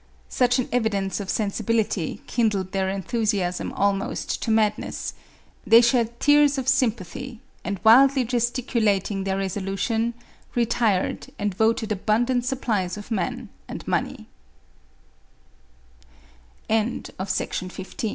Such an evidence of sensibility kindled their enthusiasm almost to madness ; they shed tears of sympathy, and wildly gesticulating their reso lution, retired and voted abundant supplies of men a